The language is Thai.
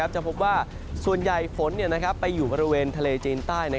จะพบว่าส่วนใหญ่ฝนไปอยู่บริเวณทะเลจีนใต้